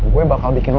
gue gak percaya lo